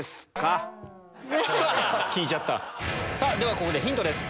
ここでヒントです